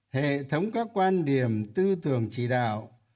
hệ thống các quan điểm tư tưởng chỉ đạo